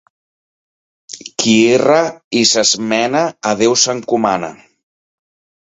Qui erra i s'esmena a Déu s'encomana.